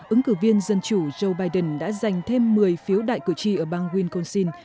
ứng cử viên dân chủ joe biden đã giành thêm một mươi phiếu đại cử tri ở bang wisconsin